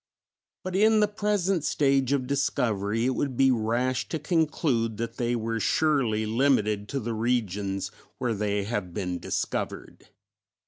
But in the present stage of discovery it would be rash to conclude that they were surely limited to the regions where they have been discovered.